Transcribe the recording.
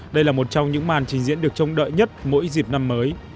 đây là một trong những màn trình diễn được trông đợi nhất mỗi dịp năm mới